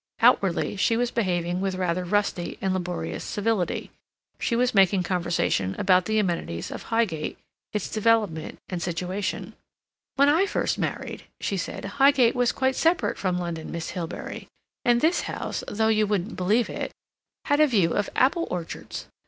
Outwardly, she was behaving with rather rusty and laborious civility. She was making conversation about the amenities of Highgate, its development and situation. "When I first married," she said, "Highgate was quite separate from London, Miss Hilbery, and this house, though you wouldn't believe it, had a view of apple orchards.